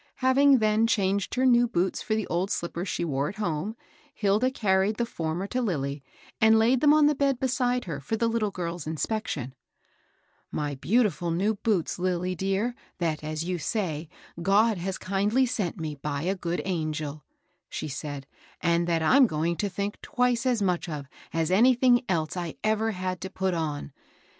Having then changed her new boots for the old slippers she wore at home, Hilda carried GOOD ANGELS. 187 the former to Lilly, and laid them on the bed beside her for the little girl's inspection. ^ My beautifiil new boots, Lilly dear, that, as you say, God has kindly sent me, by a good angel," she said, "and that I'm going to think twice as much of as of anything else I ever had to put on.